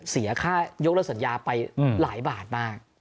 เสียค่ายกเลิกสัญญาไปหลายบาทมาก